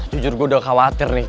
jujur gue udah khawatir nih